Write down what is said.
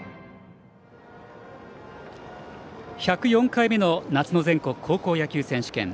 １０４回目の夏の全国高校野球選手権。